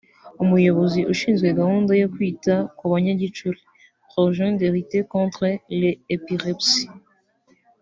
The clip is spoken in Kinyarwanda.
Umuyobozi ushinzwe gahunda yo kwita ku banyagicuri (projet de lutte contre l’epilepsy)